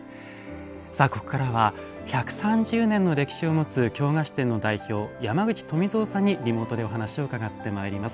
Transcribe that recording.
ここからは１３０年の歴史を持つ京菓子店の代表山口富藏さんにリモートでお話を伺ってまいります。